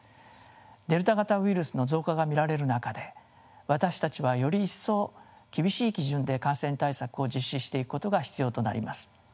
デルタ型ウイルスの増加が見られる中で私たちはより一層厳しい基準で感染対策を実施していくことが必要となります。